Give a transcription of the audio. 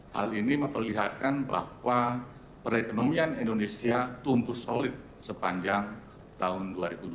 hal ini memperlihatkan bahwa perekonomian indonesia tumbuh solid sepanjang tahun dua ribu dua puluh